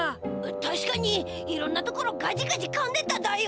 たしかにいろんなところガジガジかんでただよ。